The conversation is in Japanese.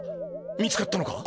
見つかったのか？